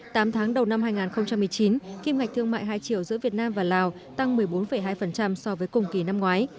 tám tháng đầu năm hai nghìn một mươi chín kim ngạch thương mại hai triệu giữa việt nam và lào tăng một mươi bốn hai so với cùng kỳ năm ngoái